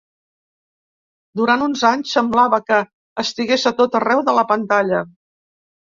Durant uns anys semblava que estigués a tot arreu de la pantalla.